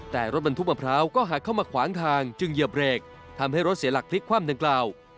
แต่รถบรรทุกมะพร้าวก็หักเข้ามาขวางทางจึงเหยียบเบรกทำให้รถเสียหลักพลิกคว่ำดังกล่าว